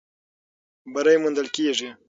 بری موندل کېږي.